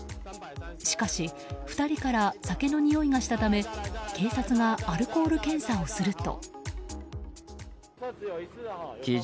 しかし、２人から酒のにおいがしたため警察がアルコール検査をすると。